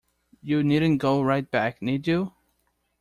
You needn't go right back, need you?